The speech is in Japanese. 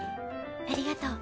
ありがとう。